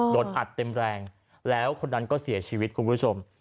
โดนอัดเต็มแรงแล้วคนนั้นก็เสียชีวิตคุณผู้ชม